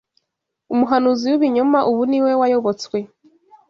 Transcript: umuhanuzi w’ibinyoma ubu niwe wayobotswe